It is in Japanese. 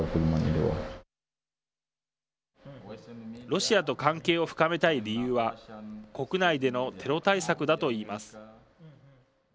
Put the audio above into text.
ロシアと関係を深めたい理由は国内でのテロ対策だといいます。